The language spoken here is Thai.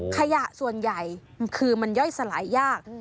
ขยะส่วนใหญ่คือมันย่อยสลายยาก